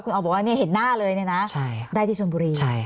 คุณออบอกว่าเห็นหน้าเลยเนี่ยนะได้ที่ชนบุรี